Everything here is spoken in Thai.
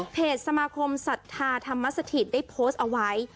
สมาคมศรัทธาธรรมสถิตได้โพสต์เอาไว้